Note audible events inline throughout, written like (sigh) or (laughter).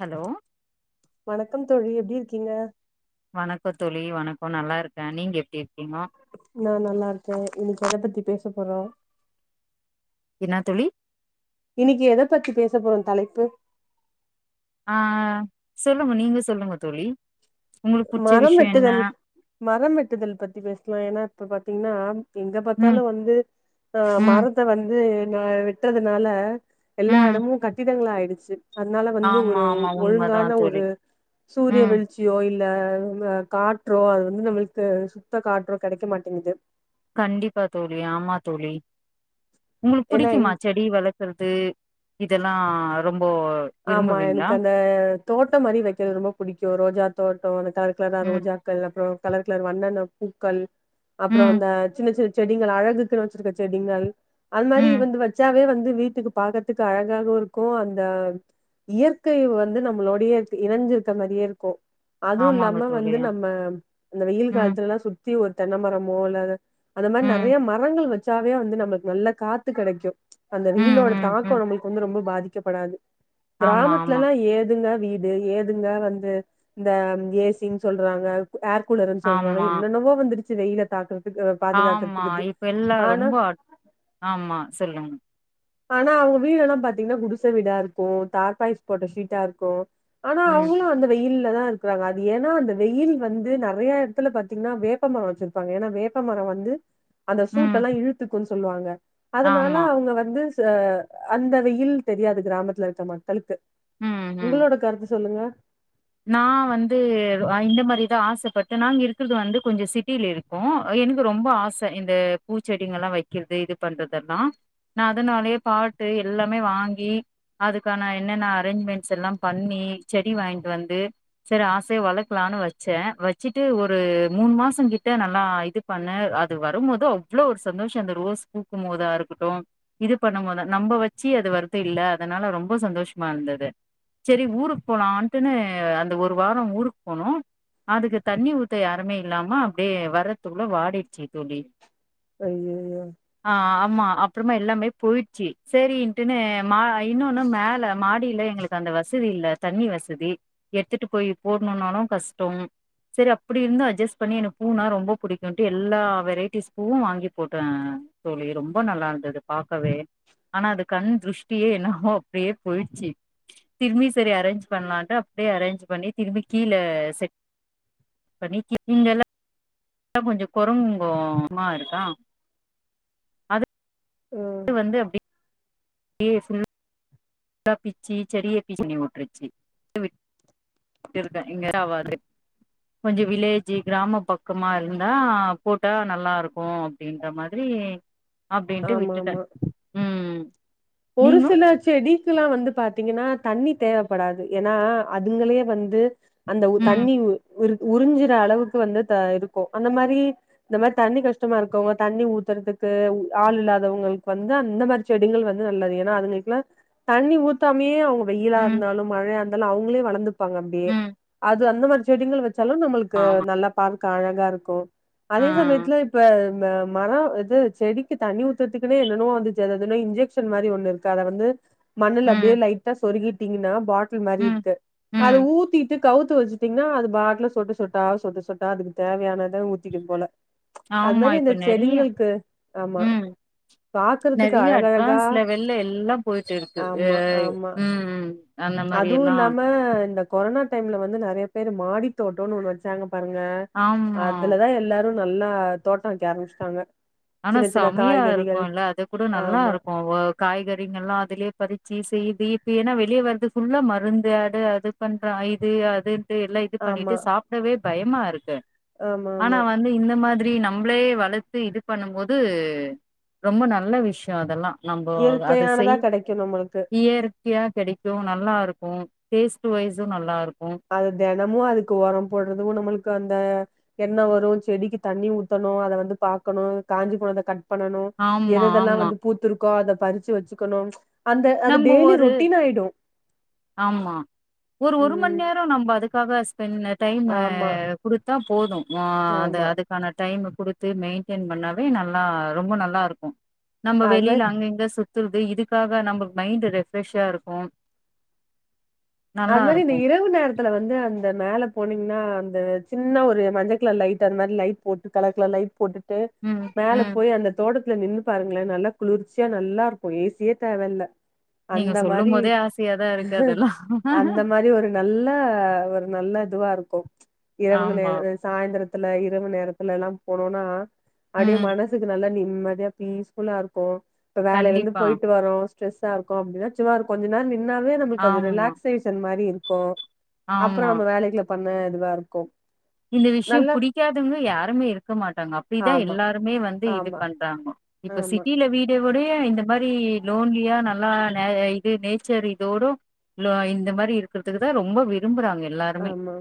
Hello வணக்கம் தோழி எப்டி இருக்கீங்க வணக்க தோழி வணக்க நல்லா இருக்க நீங்க எப்டி இருக்கீங்கோ நா நல்லா இருக்கே இன்னைக்கு எத பத்தி பேச போறோ என்ன தோழி இன்னைக்கி எத பத்தி பேச போறோ தலைப்பு ஆ சொல்லுங்க நீங்க சொல்லுங்க தோழி உங்களுக்கு புடிச்ச மரம் விஷ்யோ என்ன வெட்டுதல் மரம் வெட்டுதல் பத்தி பேசலாம் ஏன்னா இப்ப பாத்தீங்கன்னா எங்க ம் பாத்தாலும் வந்து ஆ ம் மரத்த வந்து ந வெட்றதுனால எல்லா ம் எடமு கட்டிடங்களாயிடுச்சு அதனால வந்து ஆமா ஒரு ஆமா உண்மதா ஒழுங்கான தோழி ஒரு சூரிய ம் வெளிச் சியோ இல்ல வந் காற்றோ அது வந்து நம்மளுக்கு சுத்த காற்றோ கெடைக்க மாட்டேங்குது கண்டிப்பா தோழி ஆமா தோழி உங்களுக்கு ஏன்னா புடிக்குமா செடி வள க்கறது இதெல்லா ரொம்போ ஆமா விரும்புவீங்களா எனக்கு அந்த தோட்டம் மாரி வெக்கறது ரொம்ப புடிக்கும் ரோஜா தோட்டம் அந்த கலர் கலரா ம் ரோஜா கலர் பூ கலர் கலர் வண்ணனென்ன பூக்கள் அப்புறோ ம் இந்த ஜின்ன ஜின்ன செடிகள் அழகுக்கு வச்சிருக்க செடிகள் அது மாரி ம் வந்து வச்சாவே வந்து வீட்டுக்கு பாக்கதுக்கு அழகாவுருக்கும் அந்த இயற்கை வந்து நம்மளோடையே இணஞ்சிருக்க மாரியே இருக்கும் அதுவும் ஆமாங்க இல்லாம தோழி வந்து நம்ம அந்த வெயில் ம் காலத்துல எல்லா சுத்தி ஒரு தென்ன மரமோ இல்லத அந்த மாரி ம் நெறைய மரங்கள் வச்சாவே வந்து நம்மளுக்கு நல்ல காத்து கெடைக்கும் அந்த ம் வெயிலோட ம் தாக்கோம் ம் நம்மளுக்கு வந்து ரொம்ப பாதிக்கப்படாது ஆமா ஆமா கிராமத்துலல்லாம் ஏதுங்க வீடு ஏதுங்க வந்து இந்த ஏசின் சொல்றாங்க ஏர் கூலர்ன்னு சொல்றாங்க ஆமா என்னென்னவோ வந்துருச்சு வெயில தாக்கு ஆமா இப்ப எல்லா ரொம்போ ஆமா சொல்லுங் ஆனா அவங்க வீடெல்லாம் பாத்தீங்கன்னா குடிச வீடா இருக்கும் தார்பாய்ஸ் போட்ட ஷீட்டா இருக்கும் ஆனா ம் அவங்களும் அந்த வெயில்ல தா இருக்கராங்க அது ஏன்னா அந்த வெயில் வந்து நெறைய எடத்ல பாத்தீங்கன்னா வேப்பமரோ வச்சிரு பாங்க ஏனா வேப்பமரம் வந்து அந்த ம் சூட்டல்லா இழுத்துக்குன்னு சொல்லுவாங்க அதனால ஆமா. அவுங்க வந்து ஆ அந்த வெயில் தெரியாது கிராமத்துல இருக்க மக்களுக்கு ம், உங்களோட கருத்து சொல்லுங்க நா வந்து இந்த மாரிதா ஆசப்பட்ட நாங்க இருக்கறது வந்து கொஞ்சோ சிட்டில இரு ஆ எனக்கு ரொம்ப ஆச இந்த பூச்செடிங்கல்லா வெக்கிறது இது பண்றதெல்லா நா அதனாலே பாட்டு எல்லாமே வாங்கி அதுக்கான என்னென்ன அரேஞ்ச்மெண்ட்ஸ்ல்லா பண்ணி செடி வாங்கிட்டு வந்து சேரி ஆசயா வளக்கலான்னு வச்சே வச்சுட்டு ஒரு மூணு மாசோ கிட்ட நல்லா இது பண்ண அது வரும்போது அவ்ளோ ஒரு சந்தோஷோ அந்த ரோஸ் பூக்கும்போதா இருக்கட்டு இது பண்ணும்மோதா நம்ம வச்சு அது வருதுல்ல அதனால ரொம்ப சந்தோஷமா இருந்தது சேரி ஊருக்கு போலான்ட்டுன்னு அந்த ஒரு வாரோ ஊருக்கு போனோ அதுக்கு தண்ணி ஊத்த யாருமே இல்லாம அப்டியே வர்றத்துகுள்ள வாடிடுச்சு தோழி ஐய்யயோ ஆ ஆமா அப்புறமா எல்லாமே போயிடுச்சு சரின்ட்டுன்னு மா இன்னொன்னு மேல மாடியில எங்களுக் அந்த வசதி இல்ல தண்ணி வசதி எடுத்துட்டு போய் போடணும்னாலு கஷ்டோ சேரி அப்டி இருந்து அட்ஜஸ்ட் பண்ணி எனக்கு பூ னா ரொம்ப புடிக்கும்ட்டு எல்லா வெரைட்டிஸ் பூவும் வாங்கி போட்டே தோழி ரொம்ப நல்லா இருந்தது பாக்கவே ஆனா அது கண் திருஷ்டியே என்னவோ அப்டியே போயிடுச்சு திரும்பி சேரி அரேஞ்ச் பண்ணலான்ட்டு அப்டியே அரேஞ்ச் பண்ணி திரும்பி கீழ செட் பண்ணி இங்கெல்லா கொஞ்சோ குரங்குகோ மா இருக்கா ம் டியே வந்து அப்டியே அப்டியே ஃபுல் கொத்தா பீச்சி செடிய பிச்சி (inaudible) விட்டுருச்சு இருக்கே இங்கே எது ஆவாது கொஞ்சோ வில்லேஜி கிராம பக்கமா இருந்தா போட்டா நல்லாருக்கு அப்டின்ர மாரி அப்டின்ட்டு ஆமா விட்டுட்டே ஆமா ம் ஒரு நீங்க சில செடிக்லா வந்து பாத்தீங்ன்னா தண்ணி தேவப்படாது ஏனா அதுங்களே வந்து அந்த உ ம் தண்ணி உ உறிஞ் உறிஞ்சுற அளவுக்கு வந்து த இருக்கு அந்த மாரி இந்த மாரி தண்ணி கஷ்டமாருக்கவுங்க தண்ணி ஊத்துறத்துக்கு உ ஆள் இல்லாதவுங்களுக் வந்து அந்த மார் செடிகள் வந் து நல்லது எனா அதுங்களுக்லா தண்ணி ஊத்தாமயே அவுங்க ம் வெயிலாருந்தாலு மழையாந்தாலு அவுங்ளே வளந்துப் பாங்க அப்டியே ம் அது அந்த மாரி செடிங்கள் வச்சாலு நம்புளுக்கு ஆமா நல்லா பார்க்க அழகாருக்கு ஆ அதே சமயத்துல இப் ப ம மரம் இது செடிக்கு தண்ணி ஊத்தறத்துக்னே என்னனவோ வந்துச்சு அததுன இன்ஜக்ஸ் ஸன் மாரி ஒன்னுருக்கு அத வந்து மண்ணுல ம் அப்டியே லைட்டா சொருகிட்டிங்கின்னா பாட் டில் மாரி ம் இருக்கு அத ம் ஊத்திட்டு கவுத்து வச்சிட்டிங்ன்னா அது பாட்ல சொட்டு சொட்டா சொட்டு சொட்டா அதுக்கு தேவயானத ஊத்திக்குதுபோல அது ஆமா மாரி அந்த இப்ப நெறைய செடிங்களுக்கு ஆமா ம் பாக்குறத்துக்கு அழகழகு ல வெள்ள எல்லா போயிட்டுருக்கு ஏய் ம் ம் அந்த மாரி எல்லா அதுவுல்லாம இந்த கொரோனா டைம்ல வந்து நெறைய பேரு மாடி தோட்டன்னு ஒன்னு வச்சாங்க பாருங்க ஆமா அதுலதா எல்லாரு நல்லா தோட்டோ வைக்க ஆரம்ச்சிட்டாங்க ஆனா செமையா இருக்குல்ல அதுகூட ஆமா நல்லாருக்கு ஒ காய்கறிங்கல்லா அதுலே பறிச்சி செய்தி இப்ப எனா வெளிய வறது ஃபுல்லா மருந்து அது அது பண்றான் இது அதுன் ட்டு எல்லா இது பண்ணிட்டு ஆமா சாப்டவே பயமாருக்கு ஆமா ஆமா ஆனா வந்து இந்த மாதிரி நம் நம்ப்ளே வளத்து இது பண்ணும்போது ரொம்ப நல்ல விஷ்யோ அதெல்லா நம்போ அது இயற்கையானதா செய் கெடைக்கு நம்மளுக்கு டியார் தியா கெடக்கு நல்லாருக்கு டேஸ்ட் வைஸு நல்லாருக்கு அது தெனமு அதுக்கு ஒரம் போட்றது ஒ நம்முளுக்கந்த என்ன வரு செடிக்கி தண்ணி ஊத்தணு அத வந்து பாக்கணு காஞ்சு போனத கட் பண்ணணு ஆமா எதுயெதெல்லா ஆமா வந்து பூத்துருக்கோ அத பறுச்சு வெச்சுக்கணு நம்போ ஒரு ஆமா ஒரு ஒரு ம் மண்நேரோ நம்ப அதுக் காக ஸ்பெண் டைம் ஆமா குடுத்தா போது ஒ அந்த ஆமா அது க்கான டைமு குடுத்து மெய்ன்டன் பண்ணாவே நல்லா ரொம்ப நல்லாருக்கு நம்ப அது மாரி வெளில அங்க இங்க சுத்துறது இதுக்காக நம்ப மைண்டு ரெஃப்ரெஷ்ஷாருக்கு அது மாரி இந்த இரவு நேர துல வந்து அந்த மேல போனீங்னா அந்த சின்ன ஒரு மஞ்சகலர் லைட் அந்த மார் லைட் போட்டு கலர்கலர் லைட் போட்டுட்டு ம் மேல ம் போய் அந்த தோட்டத்துல நின்னு பாருங்ளே நல்லா குளிர்ச்சியா நல்லாருக்கு ஏ சி யே தேவ இல்ல நீங்க சொல்லும் போதே ஆசையாதா இருக்கு அதெல்லா அந்த மாரி ஒரு நல்ல ஒரு நல்ல‌ இதுவா இருக்கு இரவுங்க நேர ஆமா அ சாய்ந்தெரத்துல இரவு நேரத்துல எல்லாம் போனோனா அப்டியே ம் மனசுக்கு நல்லா நிம்மதியா பீஸ்ஃபுல்லா இருக்கு இப்ப வேலல இருந்து கண்டிப்பா போய்ட்டு வரோ ஸ்ட்ரெஸ்ஸா இருக்கோ அப்டினா சும்மா ஒரு கொஞ்ச நேரொ நின் ன்னாவே நம்முளுக்கு அது ஆமா ரிலாக்சேஷன் மாரி இருக்கு அப்பறோ ஆமா நம்ம வேலைக்ள பண்ண இதுவாருக்கு இந்த விஷ்யோ புடிக்காதவங்க யாருமே இருக்க மாட்டாங்க அப்பிடிதா ஆமா எல்லாருமே வந்து இது ஆமா பண்றாங்கோ இப்ப ஆமா சிட்டில வீ லே உடைய இந்த மாரி லோன்லியா நல்லா ந இது நேச்சர் இதோடு லோ இந்த மாரி இருக்கறத்துக்குதா ரொம்ப விரும்புறாங்க எல்லாருமே ஆமா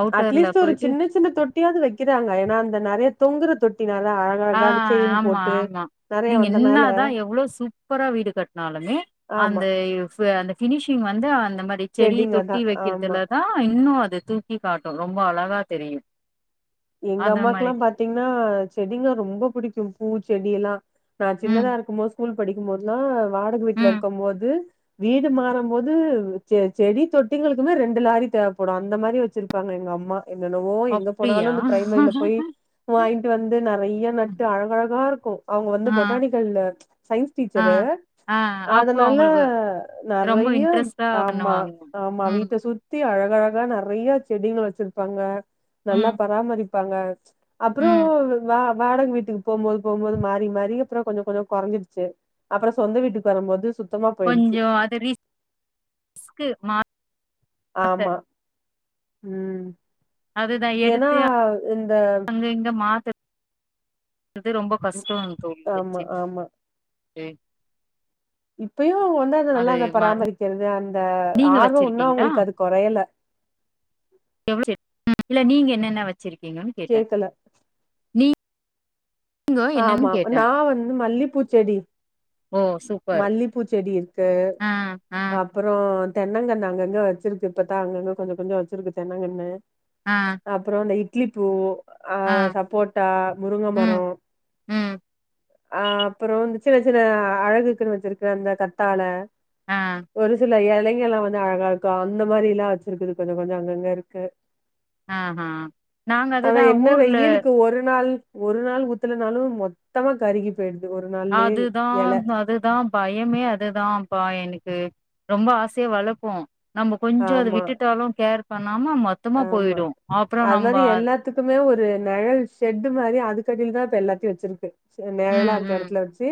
அவுட்டர்ல அட்லீஸ்ட்டு ஒரு போயிட்டு சின்ன சின்ன தொட்டியாவுது வெக்கெறாங்க எனா அந்த நறையா தொங்குற தொட்டி நல்லா அழ அ ஆமா ஆமா நீங்க வந்தனால என்னாதா எவ்ளோ சூப்பரா வீடு கட்னாலுமே ஆமா அந்த இ ஃபூ அந்த ஃபினீஷிங் வந்து அந்த மாரி செடி செடிங்க தா தொட்டி ஆமா வெக்கெறதுல தா இன்னு அது தி ட்டி காட்டு ரொம்ப அழகா தெரியு எங்க அம்மாக்குலா பாத்தீங்ன்னா செடிங்க ரொம்ப புடிக்கு பூ செடி எல்லா நான் ம், சின்னதா இருக்கும் போது ஸ்கூல் படிக்கும்போதுல்லா வாடக வீட்ல ம். இருக்கம்போது வீடு மாறம் போது செ செடி தொட்டிங்களுக்குமே ரெண்டு லாரி தேவப்படும் அந்த மாரி வெச்சிருப்பாங்க எங்க அம்மா என்னென்னவோ எங்க அப்படியா? போனாலு இந்த ப்ரைமரில போய் வாங்கிட்டு வந்து நறையா நட்டு அழகழகா இருக்கு அவ்ங்க வந்து ஆ பொட்டானிக்கல்ல சயின்ஸ் ஆ டீச்சரு ஆ அப்போ அதனால அவுங்களுக்கு ரொம்ப நறையா இன்ட்ரெஸ்ட்டா ஆமா பண்ணுவாங்க. ஆமா ம், வீட்ட சுத்தி அழகழகா நறையா செடிங்கள் வெச்சிருப்பாங்க நல்லா ம், பராமரிப்பாங்க அப்பறோ ம். வா வாடக வீட்டுக்கு போம்போது போம்போது மாறி மாறி அப்பறொ கொஞ்சொ கொஞ்சொ கொறஞ்சுருச்சு அப்பறொ சொந்த வீட்டுக்கு வரும்போது சு கொஞ்சோ அது ரி ஸ்க்கு மா ஆமா ம் அதுதா ஏன்னா எடுத்து இந்த அங்க இங்க மாத்தர் றது ரொம்போ ம் கஷ்டொன்னு தோணு ஆமா வெச்சு ஆமா டு இப்பயு அவுங்க வந்து அத நல்லா அது அத மா பராமரிக்கிறது அந்த நீங்க ஆர்வொ இன்னொ வச்சிருக்கீங்களா? அவுங்களுக்கு அது கொறையல எவ்ளோ (inaudible) ம் இல்ல நீங்க என்னென்ன வச்சிருக்கீங்கன் கேட்டே கேக்கல நீ ஆமா நா வந்து மல்லிப்பூச்செடி ஓ! சூப்பர். மல்லிப்பூச்செடி இருக்கு ஆ, ஆ, அ அப்பறொ தென்னங்கண்ணு அங்கங்க வச்சிருக்கு இப்பதா அங்கங்க கொஞ்சொ கொஞ்சொ வச்சிருக்கு தென்னங்கண்ணு ஆ அப்றொ அந்த இட்லி பூ ஆ சப்போட் டா முருங்க மரொ ம், ம். அ அப்பறொ இந்த சின்ன சின்ன அழகுக்குன்னு வச்சுருக்க அந்த கத்தாழ ஆ, ஒரு சில எலைங்கல்லா வந்து அழகா இரு க்கு அந்த மாரில்லா வச்சிருக்குது கொஞ்சொ கொஞ்சொ அங்கங்க இருக்கு ஆஹா. நாங்க ஆனா அதுதான் என்ன ஊர்ல வெயிலுக்கு ஒரு நாள் ஒரு நாள் ஊத்தலனாலு மொத் த்தமா கருகி போயிடுது ஒரு நாள்லே எல அதுதா பயமே அதுதாப்பா எனக்கு ரொம்ப ஆசையா வளப்போ நம்ப கொஞ்சொ அத ஆமா விட்டுட்டாலு கேர் பண்ணாம மொத்தமா போயிடு ஆப்பறொம் நம்ப த்துக்குமே ஒரு நெழல் ஷெட் மாரி அதுக்கடில தா இப்ப எல்லாத்தையு வச்சிருக்கு நெழலா ம் இருக்க ம் எடத்துல வச்சு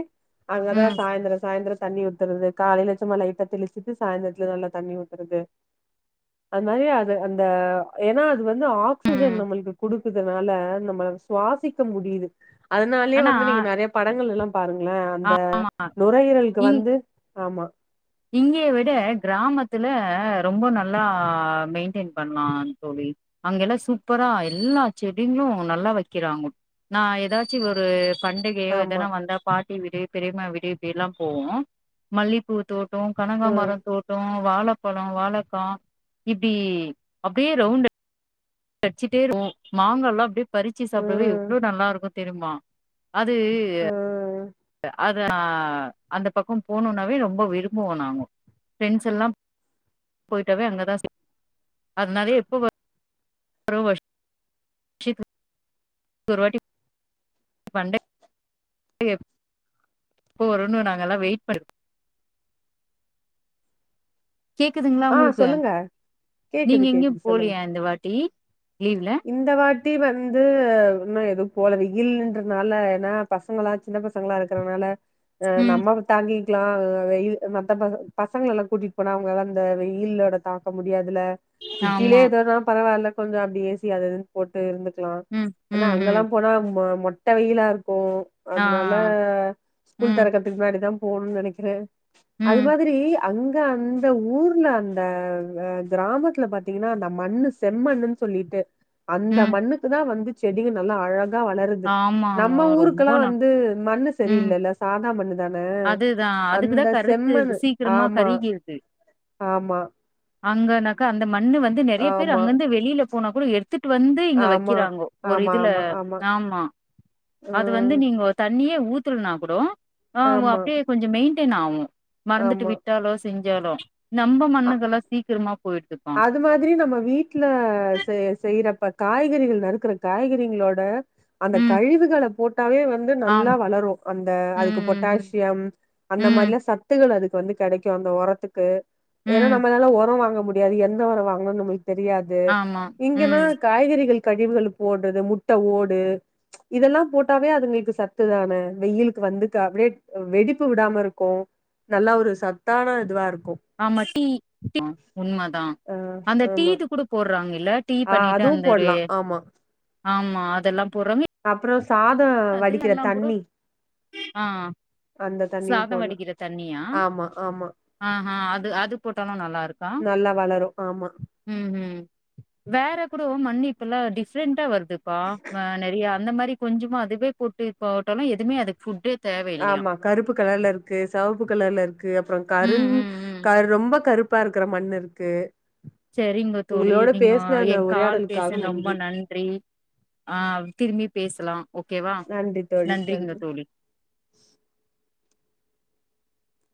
அங்கதா ம் சாய்ந்தரொ சாய்ந்தரொ தண்ணி ஊத்துறது காலைல சும்மா லைட்டா தெளிச்சிட்டு சாய்ந்தரத்துல நல்லா தண்ணி ஊத்துறது அதுமாரி அது அந் த ஏன்னா அது வந்து ஆக்சிஜன் ம். நம்மளுக்கு குடுக்குதுனால நம்மளு சுவாசிக்க முடியுது அதனாலயே ஆனா வந்து நீங்க நெறைய படங்கள் எல்லா பாருங்களே அ அந்த நுரையீரலுக்கு வந்து ஆமா இங்கேய விட கிராமத்துல ரொம்ப நல்லா மெயின்டெயின் பண்லா தோழி அங்கெல்லா சூப்பரா எல்லா செடிங்ளு நல்லா வெக்கிறாங்க நா ஏதாச்சு ஒரு பண்டிகையோ ஆமா எதனா வந்தா பாட்டி விடு பெரிய்ம்மா வீடு இப்டில்லா போவோ மல்லிப்பூ ட்டோ கனகாமர ம் தோட்டோ வாழப்பழொ வாழக்கா இப்டி அப்டியே ரவுண்ட் அட்ச்சிட்டே இருப்போ மாங்கால்லா அப்டியே பறிச்சு சாப்டவே ம் எவ்ளோ நல்லா இருக்கு தெரிய்மா அது அ அத அந்த பக்கொ போனுனாவே ரொம்பொ விரும்புவோ நாங்கொ ஃப்ரெண்ட்ஸ் எல்லா போயிட்டாவே அங்கதா அதுனாலே (inaudible) இது ஒரு வாட்டி பண்டை எப்போ வருனு நாங்கல்லா வெயிட் பண் கேக்குதுங்ளா ஆ உங்களுக்கு சொல்லுங்க கேக்குது நீங்க எங்கேயு கேக்குது சொல்லுங்க போலியா இந்த வாட்டி லீவ்ல இந்த வாட்டி வந்து இன்னொ எது போல வெயில்ன்றனால ஏன்னா பசங்களா சின்ன பசங்களா இருக்குறனால அ ம் நம்ம தாங்கிக்லா வெயில் மத்த பச பசங்கள எல்லா கூட்டிட்டு போனா அவுங்க அந்த வெயிலோட தாங்க முடியாதுல சிட்டிலே ஆமா எதோனாலு பரவால்ல கொஞ்சோ அப்டி ஏசி அது இதுன் போட்டு இருந்துக்குலா ம் ம் அங்கல்லா ம் போனா மொ மொட்ட வெயிலா இருக்கு ஆ அதுனால ஸ்கூல் ம் தெறக்க (unintelligible) முன்னாடி தா போணுனு நெனக்கிறே அது ம் மாதிரி அங்க அந்த ஊர்ல அந்த கிராமத்துல பாத்திங்கன்னா அந்த மண்ணு செம்மண்ணு சொல்லிட்டு அந்த ம் மண்ணுக்கு தா வந்து செடிங்க நல்லா அழகா தா வளருது ஆமாங்க நம்ம ரொம்ப ஊருக்கெல்லா நா வந்து மண்ணு ம் சரியில்லல்ல சாதா மண்ணு தான அதுதா அதுக்குதா அந்த கருத்துது செம்மண்னு சீக்கிரமா ஆமா கருகிருது ஆமா அங்கனாக்கா அந்த மண்ணு வந்து நெறைய பேரு ஆமா அங்கந்து வெளில போனா கூட எடு த்துட்டு வந்து இங்க ஆமா வக்கிறாங்கோ ஒரு ஆமா இதுல ஆமா ஆமா அது வந்து ம் நீங்க தண்ணியே ஊத்தலனா கூட ஆ ஆமா அப்டியே கொஞ்ச மெயின்டெய்ன் ஆகு மறந்துட்டு ஆமா விட்டாலோ செஞ்சாலு நம்ப மண்ணுக்கெல்லா சீக்கிரமா போயிருதுக்கா அந்த மாதிரி நம்ம வீட்டுல செய்ய செய்யறப்ப காய்கறிகள் நறுக்கற காய்கறிகளோட அந்த ம் கழிவுகள போட்டாவே வந்து ஆம் நல்லா வளரு அந்த அதுக்கு ம் ம் பொட்டாசியம் அந்த ம் மாரிலா சத்துகள் அதுக்கு வந்து கெடைக்கு அந்த ஒரத்துக்கு ஏன்னா ம் நம்மநால ஒரோ வாங்க முடியாது எந்த ஒரோ வாங்கணுன் நம்மளுக் தெரியாது ஆமா இங்கன்னா ம் காய்கறிகள் கழிவுகள் போடுறது முட்ட ஓடு இதெல்லா போட்டாவே அதுங்களுக்கு சத்து தானே வெயிலுக்கு வந்துக் அப்டியே வெடிப்பு உடாம இருக்கு நல்லா ஒரு சத்தான இதுவா இருக்கு ஆமா டீ அ உண்மதா ஆ அந்த ஆமா டீது கூட போற்றாங்கல்ல டீ ஆ பண்ணிட்டு அதுவு அந்த ஒரு போடலா ஆமா ஆமா அதெல்லாம் போற்றங்க அப்பறோ சாத வடிக்கிற தண்ணி ஆ அந்த தண்ணியு சாதம் போடலா வடிக்கிற தண்ணியா ஆமா ஆமா ஆஹா அது அது போட்டாலு நல்லாருக்கா நல்லா வளரு ஆமா ம் ம் வேற கூட மண்ணு இப்பல்லா டிஃப்ரெண்டா வருதுப்பா நெறைய அந்த மாரி கொஞ்சமா அது வே போட்டு போட்டாலு எதுவுமே அதுக்கு ஃபுட்டு ஆமா கருப்பு கலர்ல இருக்கு செவப்பு கலர்ல இருக்கு அப்புறம் ம் கருண் ம் ம் கரு ரொம்ப கருப்பா இருக்கற மண்ணு இருக்கு செரிங்க தோழி உங்களோட நீங்க பேசின எ அந்த கால் உரையாடலுக்காக பேசுன் ரொம்ப நன்றி ஆ திரும்பி பேசலா ஓகேவா நன்றி தோழி நன்றி நன்றிங்க தோழி